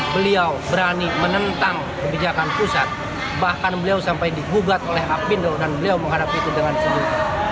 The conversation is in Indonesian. beliau berani menentang kebijakan pusat bahkan beliau sampai digugat oleh apindo dan beliau menghadapi itu dengan sendiri